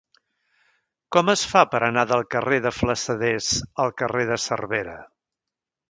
Com es fa per anar del carrer de Flassaders al carrer de Cervera?